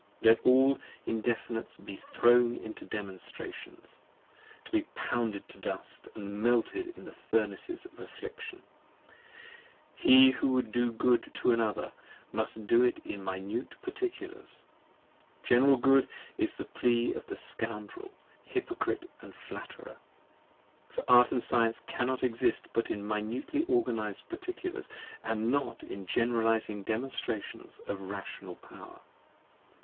Let all Indefinites be thrown into Demonstrations To be pounded to dust & melted in the Furnaces of Affliction : 60 He who would do good to another, must do it in Minute Particulars, General Good is the plea of the scoundrel, hypocrite & flatterer: For Art & Science cannot exist but in minutely organized Particulars, And not in generalizing Demonstrations of the Rational Power.